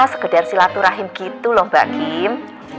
sekedar silaturahim gitu loh mbak kim